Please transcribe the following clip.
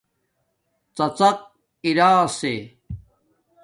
ڎڎق اراسے